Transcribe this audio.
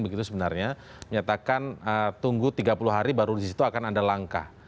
begitu sebenarnya menyatakan tunggu tiga puluh hari baru disitu akan ada langkah